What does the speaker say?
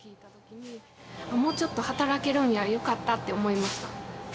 もうちょっと働けるんや、よかったって思いました。